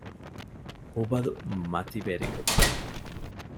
ހުބަލު މަތިވެރިވެއްޖެ